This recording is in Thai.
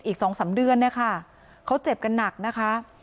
อีกสองสามเดือนนะคะเขาเจ็บกันหนักนะคะ